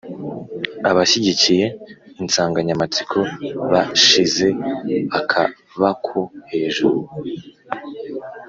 Abashyigikiye insanganyamatsiko bashize akabako hejuru